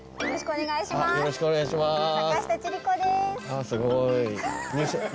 よろしくお願いします。